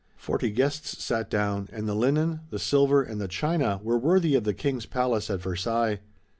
Forty guests sat down, and the linen, the silver and the china were worthy of the King's palace at Versailles.